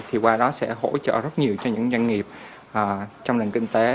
thì qua đó sẽ hỗ trợ rất nhiều cho những doanh nghiệp trong nền kinh tế